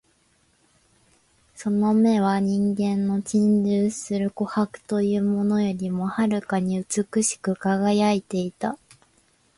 その眼は人間の珍重する琥珀というものよりも遥かに美しく輝いていた